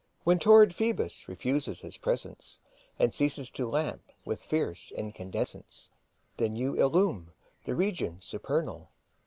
When torrid Phoebus refuses his presence And ceases to lamp with fierce incandescence^ Then you illumine the regions supernal.